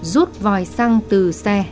rút vòi xăng từ xe